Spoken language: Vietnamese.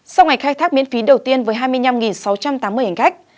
sau ngày khai thác miễn phí đầu tiên với hai mươi năm sáu trăm tám mươi hành khách